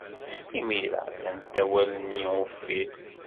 Imir-a, lant awal-nni uffir.